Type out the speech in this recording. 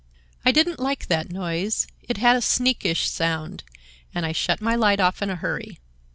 I didn't like that noise; it had a sneakish sound, and I shut my light off in a hurry.